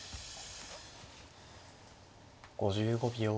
５５秒。